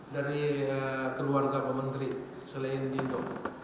dari keluarga pementri selain dindo